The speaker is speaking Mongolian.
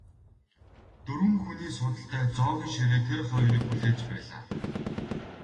Дөрвөн хүний суудалтай зоогийн ширээ тэр хоёрыг хүлээж байлаа.